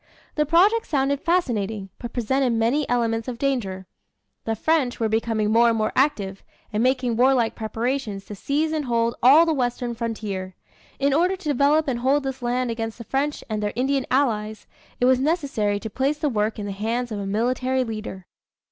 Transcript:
The project sounded fascinating, but presented many elements of danger. The French were becoming more and more active, and making warlike preparations to seize and hold all the western frontier. In order to develop and hold this land against the French and their Indian allies, it was necessary to place the work in the hands of a military leader.